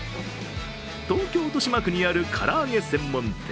東京・豊島区にある、から揚げ専門店。